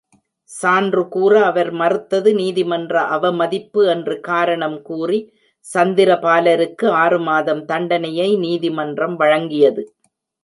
சான்று கூற அவர் மறுத்தது நீதிமன்ற அவமதிப்பு என்று காரணம் கூறி சந்திரபாலருக்கு ஆறுமாதம் தண்டனையை நீதிமன்றம் வழங்கியது.